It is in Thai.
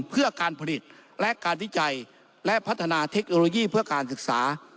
เพื่อการผลิตและการวิจัยและพัฒนาเทคโนโลยีเพื่อการศึกษา